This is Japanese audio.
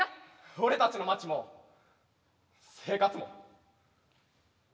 俺たちの街も生活も。